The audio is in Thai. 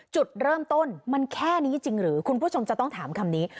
จุดเริ่มต้นมันแค่นี้จริงหรือคุณผู้ชมจะต้องถามคำนี้